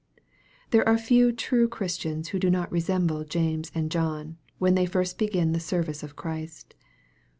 There are few true Christians who do not resemble James and John, when they first begin the service of Christ.